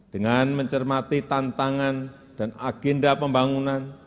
dengan mencermati tantangan dan agenda pembangunan